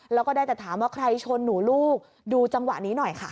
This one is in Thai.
แล้วก็ได้แต่ถามว่าใครชนหนูลูกดูจังหวะนี้หน่อยค่ะ